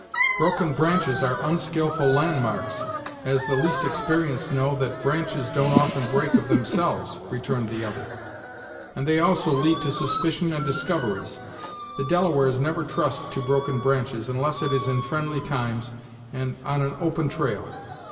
"Broken branches are onskilful landmarks, as the least exper'enced know that branches don't often break of themselves," returned the other; "and they also lead to suspicion and discoveries. The Delawares never trust to broken branches, unless it is in friendly times, and on an open trail.